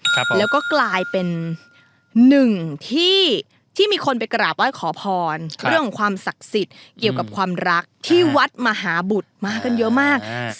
ครับแล้วก็กลายเป็นหนึ่งที่ที่มีคนไปกราบไหว้ขอพรเรื่องของความศักดิ์สิทธิ์เกี่ยวกับความรักที่วัดมหาบุตรมากันเยอะมากอ่า